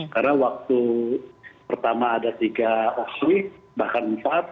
karena waktu pertama ada tiga opsi bahkan empat